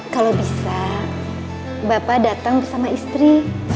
kalau bisa bapak datang bersama istri